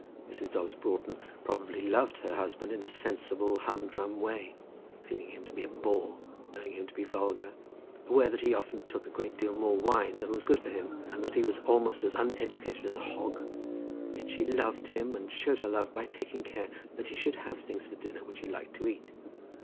Mrs. Dobbs Broughton probably loved her husband in a sensible, humdrum way, feeling him to be a bore, knowing him to be vulgar, aware that he often took a good deal more wine than was good for him, and that he was almost as uneducated as a hog. Yet she loved him, and showed her love by taking care that he should have things for dinner which he liked to eat.